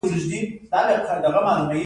د کوټې په چت کې دوه سوري و، یو یې په تختو.